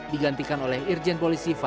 digantikan oleh irjen polisi fadil